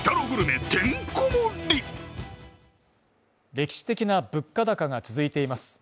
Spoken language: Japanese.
歴史的な物価高が続いています。